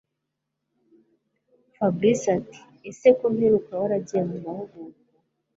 Fabric atiese ko mperuka waragiye mumahugurwa